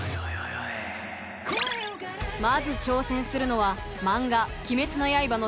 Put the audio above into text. まず挑戦するのはマンガ「鬼滅の刃」の